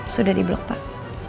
sudah di blok pak